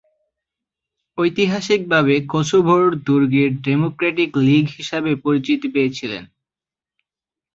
ঐতিহাসিকভাবে কসোভোর দুর্গের Democratic league হিসাবে পরিচিতি পেয়েছিল।